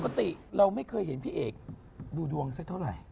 ปกติเราไม่เคยเห็นพี่เอกดูดวงสักเท่าไหร่